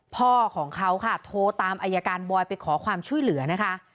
พ่อของเขาค่ะโทรตามอายการบอยไปขอความช่วยเหลือนะคะ